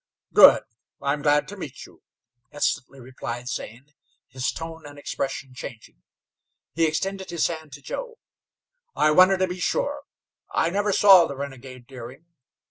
"Good! I'm glad to meet you," instantly replied Zane, his tone and expression changing. He extended his hand to Joe. "I wanted to be sure. I never saw the renegade Deering.